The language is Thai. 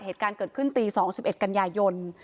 เหตุการณ์เกิดขึ้นตี๒๑กันยายน